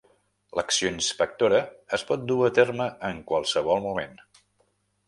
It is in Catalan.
L'acció inspectora es pot dur a terme en qualsevol moment.